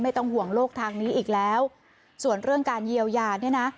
ไม่ต้องห่วงโลกทางนี้อีกแล้วส่วนเรื่องการเยียวยาเนี่ยนะ